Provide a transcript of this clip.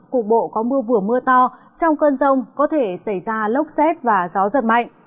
cục bộ có mưa vừa mưa to trong cơn rông có thể xảy ra lốc xét và gió giật mạnh